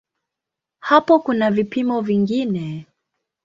Hapo kuna vipimo vingine.